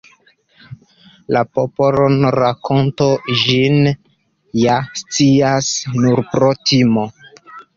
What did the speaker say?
La popol-rakonto ĝin ja scias: nur pro timo.